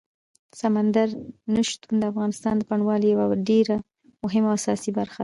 سمندر نه شتون د افغانستان د بڼوالۍ یوه ډېره مهمه او اساسي برخه ده.